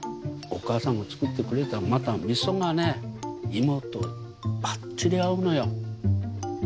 お母さんが作ってくれたまたみそがね芋とバッチリ合うのよ。